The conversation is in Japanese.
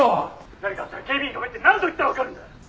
「何かあったら警備員呼べって何度言ったらわかるんだ！」